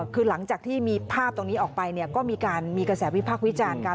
คือหลังจากที่มีภาพตรงนี้ออกไปก็มีการมีกระแสวิพักษ์วิจารณ์กัน